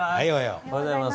おはようございます。